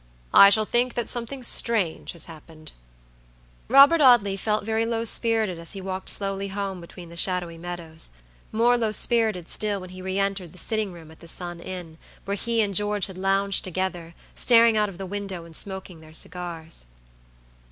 "I shall think that something strange has happened." Robert Audley felt very low spirited as he walked slowly home between the shadowy meadows; more low spirited still when he re entered the sitting room at Sun Inn, where he and George had lounged together, staring out of the window and smoking their cigars.